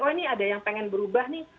oh ini ada yang pengen berubah nih